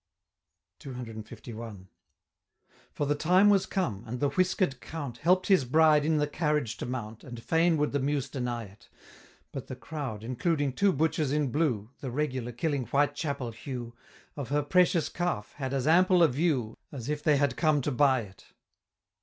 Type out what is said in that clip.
CCLI. For the time was come and the whisker'd Count Help'd his Bride in the carriage to mount, And fain would the Muse deny it, But the crowd, including two butchers in blue, (The regular killing Whitechapel hue,) Of her Precious Calf had as ample a view, As if they had come to buy it!